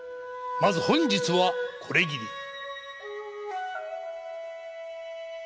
まず本日はこれぎり。